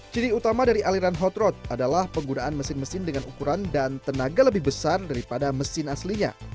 ciri utama dari aliran hot road adalah penggunaan mesin mesin dengan ukuran dan tenaga lebih besar daripada mesin aslinya